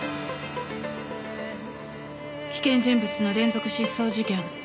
危険人物の連続失踪事件。